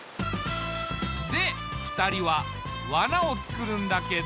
で２人はわなをつくるんだけど。